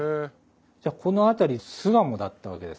じゃあこの辺り巣鴨だったわけですね。